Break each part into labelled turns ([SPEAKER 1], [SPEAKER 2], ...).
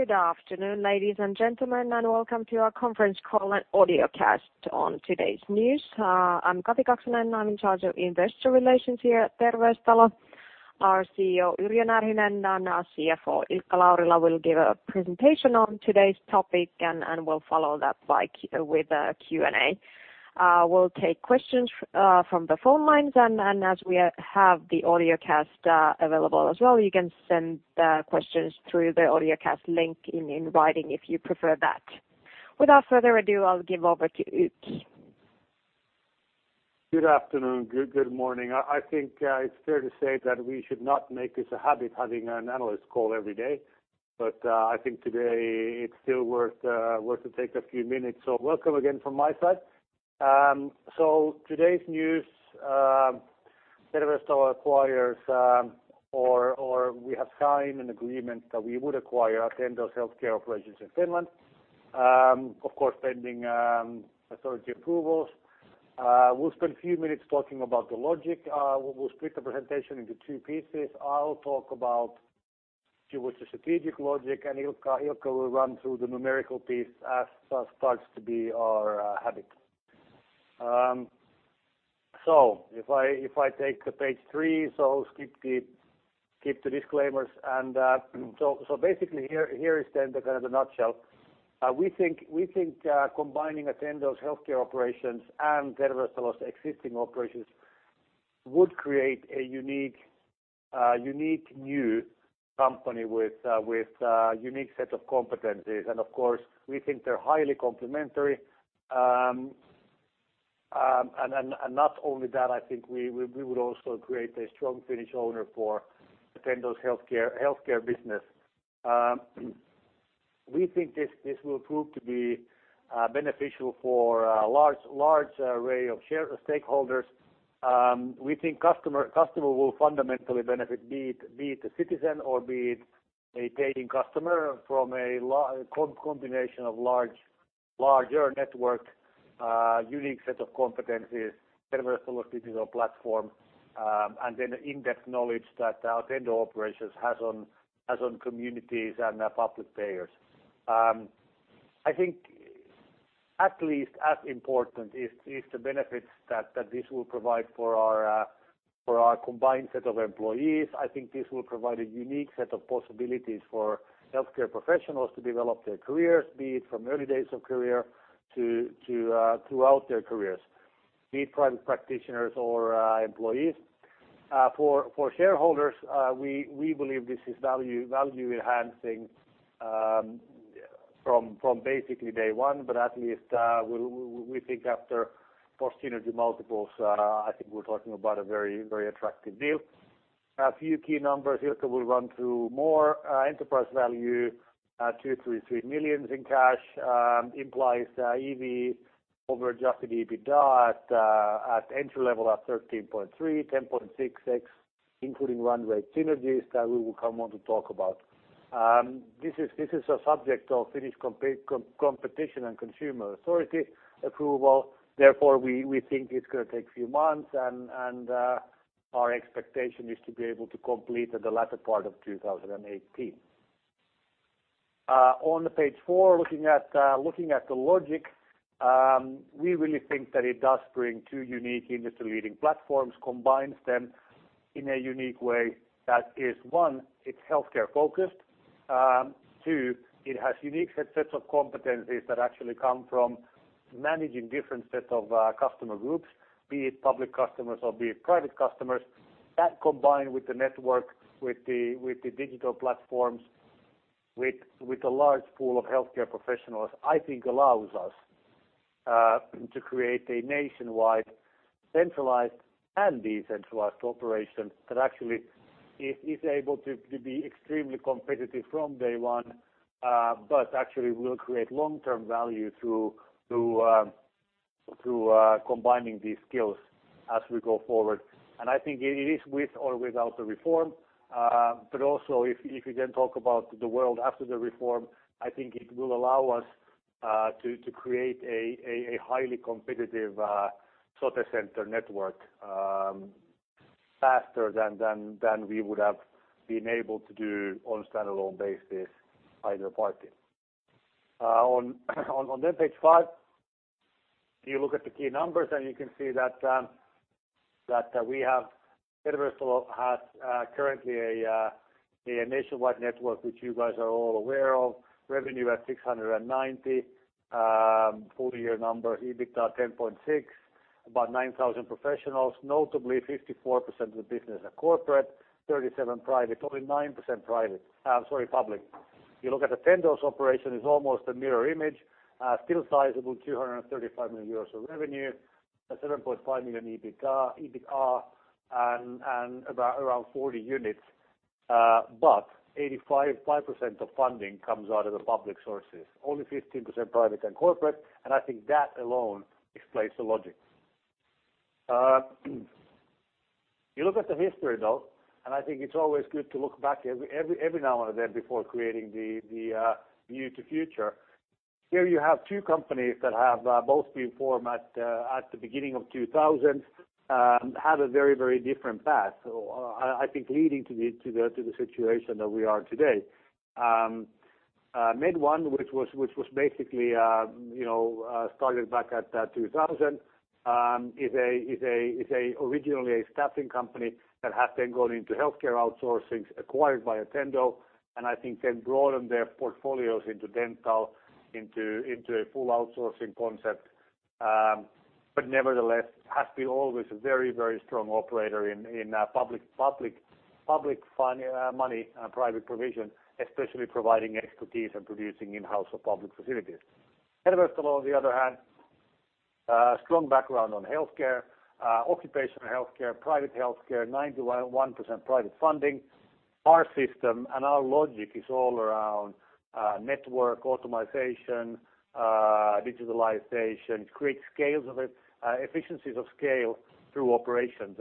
[SPEAKER 1] Good afternoon, ladies and gentlemen, and welcome to our conference call and audiocast on today's news. I'm Kati Kaksonen, I'm in charge of investor relations here at Terveystalo. Our CEO, Yrjö Närhinen, and our CFO, Ilkka Laurila, will give a presentation on today's topic, and we'll follow that by Q&A. We'll take questions from the phone lines, and as we have the audiocast available as well, you can send questions through the audiocast link in writing if you prefer that. Without further ado, I'll give over to Yrjö.
[SPEAKER 2] Good afternoon, good morning. I think it's fair to say that we should not make this a habit, having an analyst call every day, but I think today it's still worth it to take a few minutes. Welcome again from my side. Today's news: Terveystalo acquires, or we have signed an agreement that we would acquire Attendo's Finnish healthcare operations, of course, pending authority approvals. We'll spend a few minutes talking about the logic. We'll split the presentation into two pieces. I'll talk about which is strategic logic, and Ilkka will run through the numerical piece, as that starts to be our habit. If I take the page three, so skip the disclaimers. Basically, here is then kind of the nutshell. We think combining Attendo healthcare operations and Terveystalo's existing operations would create a unique new company with a unique set of competencies, and of course, we think they're highly complementary. Not only that, I think we would also create a strong Finnish owner for Attendo's healthcare business. We think this will prove to be beneficial for a large array of stakeholders. We think customer will fundamentally benefit, be it a citizen or be it a paying customer, from a combination of larger networked, unique set of competencies, Terveystalo's digital platform, and then the in-depth knowledge that Attendo Operations has on communities and public payers. I think at least as important is the benefits that this will provide for our combined set of employees. I think this will provide a unique set of possibilities for healthcare professionals to develop their careers, be it from early days of career to throughout their careers, be it private practitioners or employees. For shareholders, we believe this is value-enhancing from basically day one, but at least we think after cost synergies, multiples, I think we're talking about a very attractive deal. A few key numbers, Ilkka will run through more. Enterprise value 233 million in cash implies EV over adjusted EBITDA at entry level at 13.3x, 10.6x including run rate synergies that we will come on to talk about. This is a subject of Finnish Competition and Consumer Authority approval. We think it's going to take a few months, and our expectation is to be able to complete at the latter part of 2018. On the page four, looking at the logic, we really think that it does bring two unique industry-leading platforms, combines them in a unique way that is, one, it's healthcare focused. Two, it has unique sets of competencies that actually come from managing different sets of customer groups, be it public customers or be it private customers. That, combined with the network, with the digital platforms, with a large pool of healthcare professionals, I think allows us to create a nationwide, centralized and decentralized operation that actually is able to be extremely competitive from day one but actually will create long-term value through combining these skills as we go forward. I think it is with or without the reform, but also if we talk about the world after the reform, I think it will allow us to create a highly competitive sote center network faster than we would have been able to do on standalone basis either party. On page five, you look at the key numbers, and you can see that Terveystalo has currently a nationwide network, which you guys are all aware of, revenue at 690, full year numbers EBITDA 10.6, about 9,000 professionals, notably 54% of the business are corporate, 37% private, only 9% public. You look at Attendo's operation is almost a mirror image, still sizable, 235 million euros of revenue, 7.5 million EBITDA and around 40 units, but 85% of funding comes out of the public sources, only 15% private and corporate. I think that alone explains the logic. You look at the history, though, and I think it's always good to look back every now and then before creating the view to future. Here you have two companies that have both been formed at the beginning of 2000, had a very, very different path, I think, leading to the situation that we are today. MedOne, which was basically started back at 2000, is originally a staffing company that has then gone into healthcare outsourcings, acquired by Attendo, and I think then broadened their portfolios into dental, into a full outsourcing concept, but nevertheless has been always a very, very strong operator in public money, private provision, especially providing expertise and producing in-house or public facilities. Terveystalo, on the other hand, strong background on healthcare, occupational healthcare, private healthcare, 91% private funding. Our system and our logic is all around network, automatization, digitalization, create scales of it, efficiencies of scale through operations.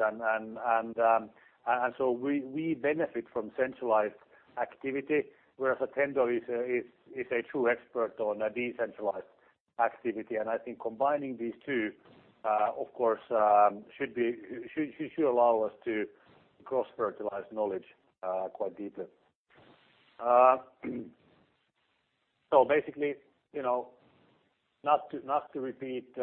[SPEAKER 2] So we benefit from centralized activity, whereas Attendo is a true expert on decentralized activity, and I think combining these two, of course, should allow us to cross-fertilize knowledge quite deeply. Basically, not to repeat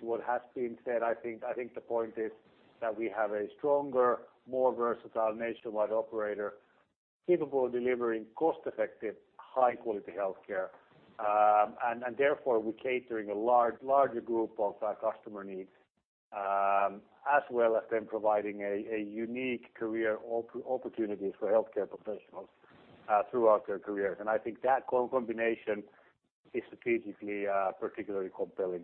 [SPEAKER 2] what has been said, I think the point is that we have a stronger, more versatile nationwide operator capable of delivering cost-effective, high-quality healthcare, and therefore we're catering a larger group of customer needs as well as then providing a unique career opportunity for healthcare professionals throughout their careers. I think that combination is strategically particularly compelling.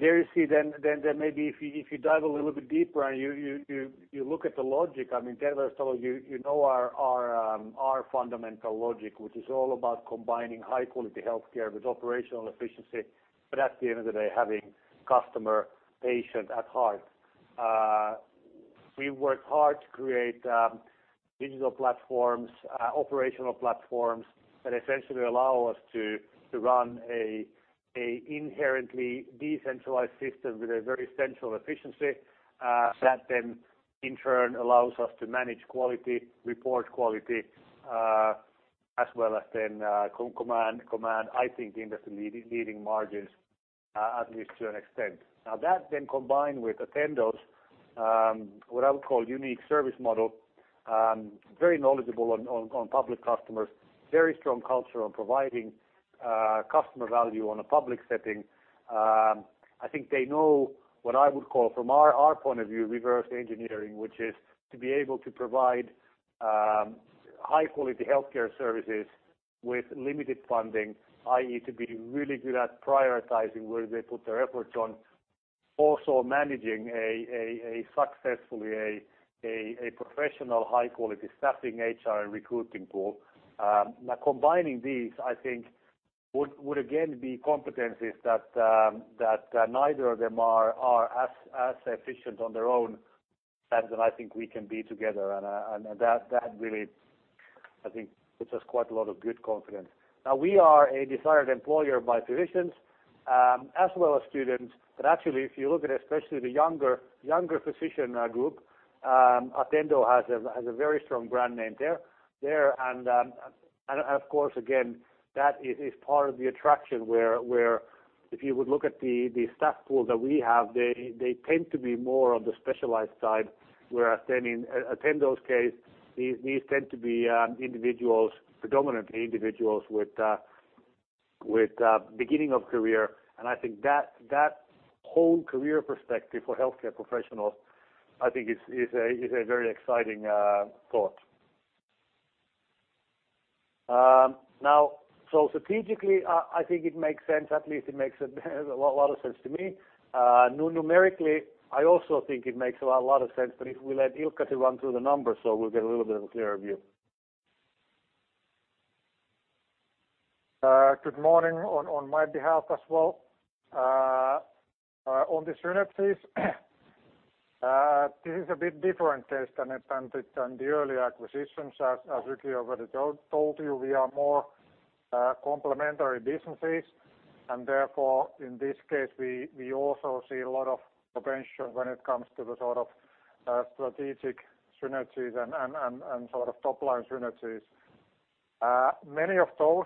[SPEAKER 2] There you see, then maybe if you dive a little bit deeper and you look at the logic, I mean Terveystalo, you know our fundamental logic which is all about combining high-quality healthcare with operational efficiency, but at the end of the day, having customer, patient at heart. We work hard to create digital platforms, operational platforms that essentially allow us to run an inherently decentralized system with a very central efficiency that then in turn allows us to manage quality, report quality, as well as then command, I think, industry-leading margins at least to an extent. Now that combined with Attendo's what I would call unique service model, very knowledgeable on public customers, very strong culture on providing customer value on a public setting, I think they know what I would call from our point of view reverse engineering which is to be able to provide high-quality healthcare services with limited funding, i.e. to be really good at prioritizing where they put their efforts on, also managing successfully a professional, high-quality staffing, HR, and recruiting pool. Now combining these, I think, would again be competencies that neither of them are as efficient on their own as I think we can be together and that really I think puts us quite a lot of good confidence. We are a desired employer by physicians as well as students, but actually if you look at especially the younger physician group, Attendo has a very strong brand name there and of course again that is part of the attraction where if you would look at the staff pool that we have, they tend to be more on the specialized side whereas then in Attendo's case these tend to be individuals, predominantly individuals with beginning of career and I think that whole career perspective for healthcare professionals I think is a very exciting thought. Strategically, I think it makes sense, at least it makes a lot of sense to me. Numerically, I also think it makes a lot of sense, but if we let Ilkka run through the numbers so we'll get a little bit of a clearer view.
[SPEAKER 3] Good morning on my behalf as well on this unit, please. This is a bit different than the early acquisitions, as Yrjö already told you. We are more complementary businesses, and therefore, in this case, we also see a lot of potential when it comes to the sort of strategic synergies and sort of top-line synergies. Many of those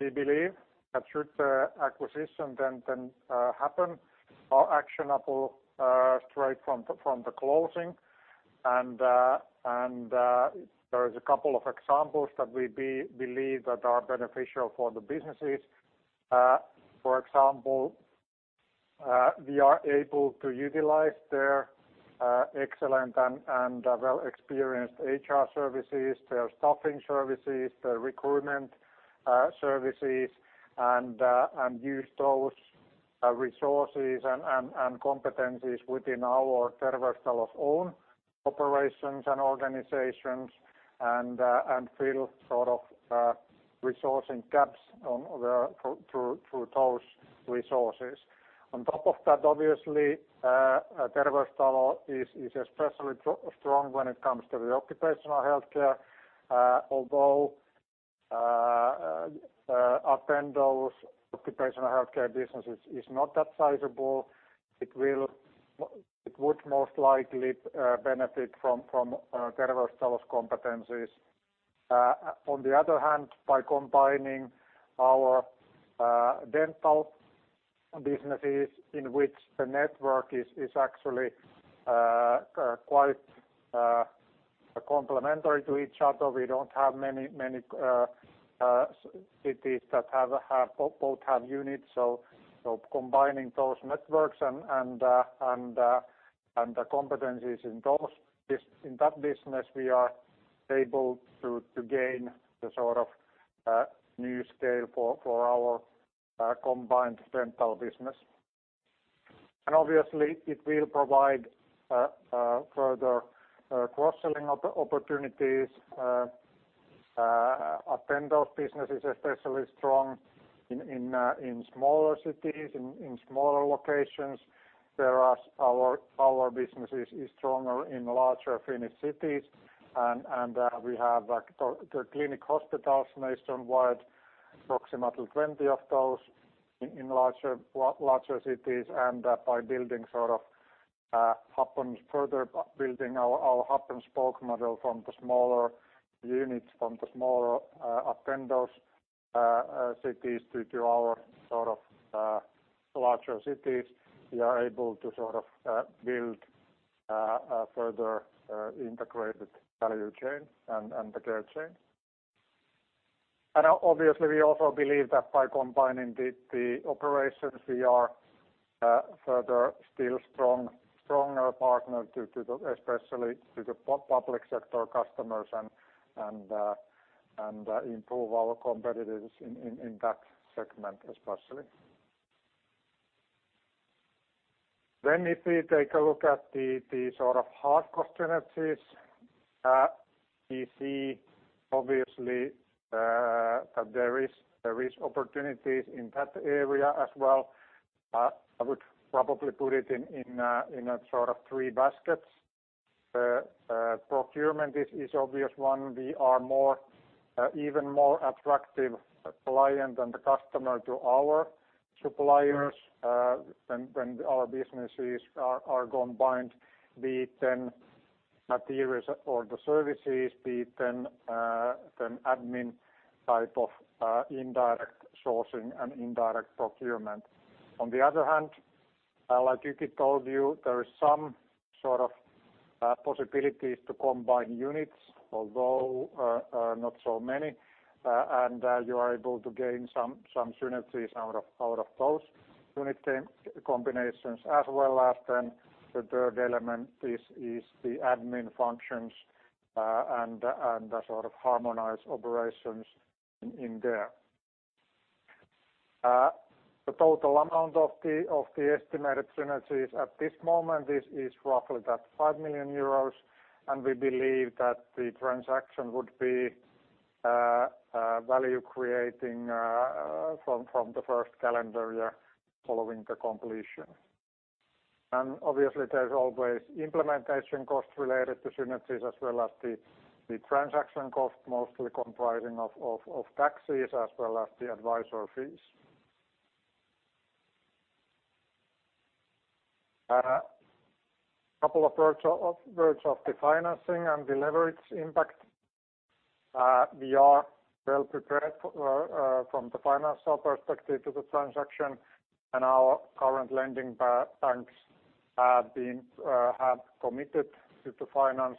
[SPEAKER 3] we believe that should the acquisition then happen are actionable straight from the closing, and there is a couple of examples that we believe that are beneficial for the businesses. For example, we are able to utilize their excellent and well-experienced HR services, their staffing services, their recruitment services and use those resources and competencies within our Terveystalo's own operations and organizations and fill sort of resourcing gaps through those resources. On top of that, obviously, Terveystalo is especially strong when it comes to the occupational healthcare, although Attendo's occupational healthcare business is not that sizable. It would most likely benefit from Terveystalo's competencies. On the other hand, by combining our dental businesses, in which the network is actually quite complementary to each other, we don't have many cities that both have units. Combining those networks and the competencies in that business, we are able to gain the sort of new scale for our combined dental business. Obviously, it will provide further cross-selling opportunities. Attendo's business is especially strong in smaller cities, in smaller locations whereas our business is stronger in larger Finnish cities and we have clinic hospitals nationwide, approximately 20 of those in larger cities and by building sort of hub and spoke further, building our hub and spoke model from the smaller units, from the smaller Attendo's cities to our sort of larger cities, we are able to sort of build a further integrated value chain and the care chain. Obviously, we also believe that by combining the operations, we are further still stronger partner to especially to the public sector customers and improve our competitiveness in that segment especially. If we take a look at the sort of hard cost synergies, we see obviously that there is opportunities in that area as well. I would probably put it in sort of three baskets. Procurement is obvious one. We are even more attractive client and customer to our suppliers when our businesses are combined, be it then materials or the services, be it then admin type of indirect sourcing and indirect procurement. On the other hand, like Yrjö told you, there is some sort of possibilities to combine units, although not so many, and you are able to gain some synergies out of those unit combinations, as well as then the third element is the admin functions and sort of harmonized operations in there. The total amount of the estimated synergies at this moment is roughly that 5 million euros, and we believe that the transaction would be value creating from the first calendar year following the completion. Obviously, there's always implementation cost related to synergies as well as the transaction cost, mostly comprising of taxes as well as the advisor fees. A couple of words of the financing and leverage impact. We are well prepared from the financial perspective to the transaction, and our current lending banks have committed to finance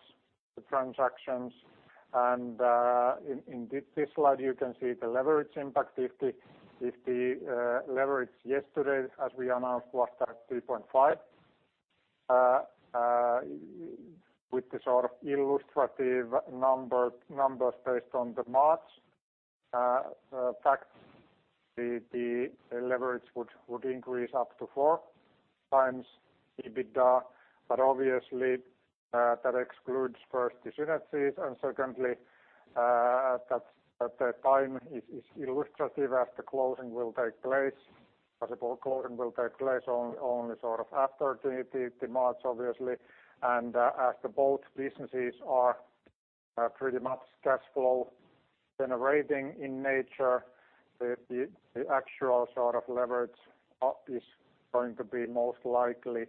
[SPEAKER 3] the transactions and in this slide, you can see the leverage impact. If the leverage yesterday as we announced was that 3.5 with the sort of illustrative numbers based on the March, in fact the leverage would increase up to 4x EBITDA but obviously that excludes first the synergies and secondly that the timing is illustrative as the closing will take place, possible closing will take place only sort of after the March obviously and as both businesses are pretty much cash flow generating in nature, the actual sort of leverage is going to be most likely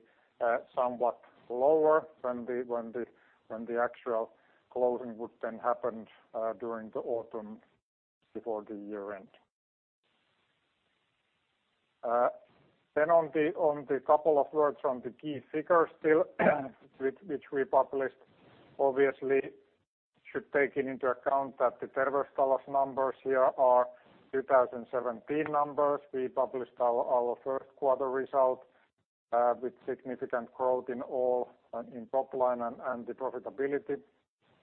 [SPEAKER 3] somewhat lower than the actual closing would then happen during the autumn before the year-end. On the couple of words on the key figures still which we published, obviously should take into account that Terveystalo's numbers here are 2017 numbers. We published our first quarter result with significant growth in all in top-line and the profitability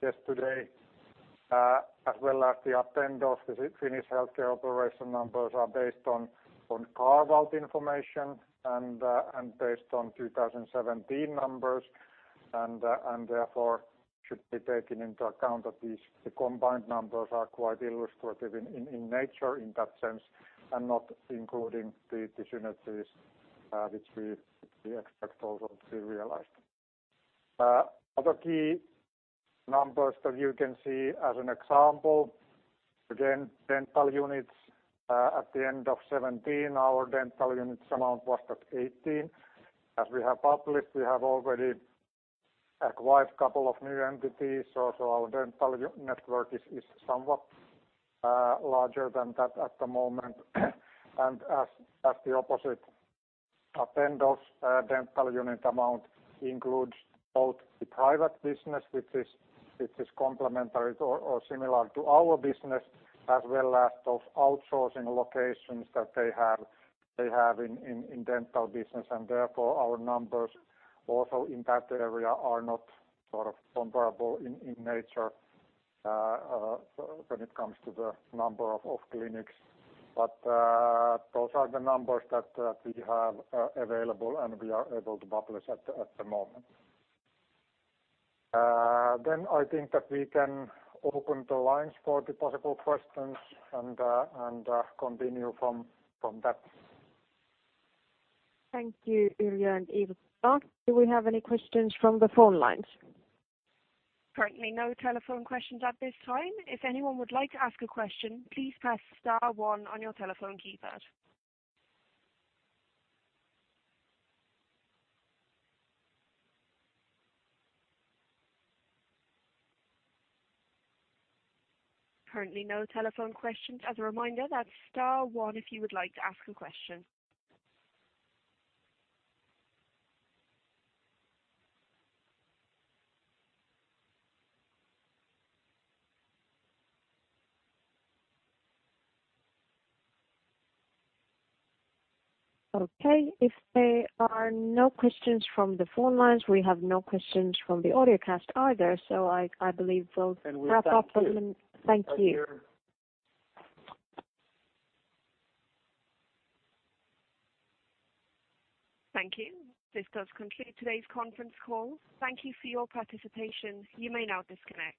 [SPEAKER 3] yesterday, as well as Attendo's Finnish healthcare operations numbers are based on carve-out information and based on 2017 numbers and therefore should be taken into account that the combined numbers are quite illustrative in nature in that sense and not including the synergies, which we expect also to be realized. Other key numbers that you can see as an example, again, dental units at the end of 2017, our dental units amount was 18. As we have published, we have already acquired a couple of new entities so our dental network is somewhat larger than that at the moment and as the opposite, Attendo's dental unit amount includes both the private business which is complementary or similar to our business as well as those outsourcing locations that they have in dental business and therefore our numbers also in that area are not sort of comparable in nature when it comes to the number of clinics. Those are the numbers that we have available, and we are able to publish at the moment. I think that we can open the lines for possible questions and continue from that.
[SPEAKER 1] Thank you, Yrjö and Ilkka. Do we have any questions from the phone lines?
[SPEAKER 4] Currently no telephone questions at this time. If anyone would like to ask a question, please press star one on your telephone keypad. Currently, no telephone questions. As a reminder, that's star one if you would like to ask a question.
[SPEAKER 1] Okay. If there are no questions from the phone lines, we have no questions from the audiocast either, so I believe we'll wrap up and thank you.
[SPEAKER 4] Thank you. This does conclude today's conference call. Thank you for your participation. You may now disconnect.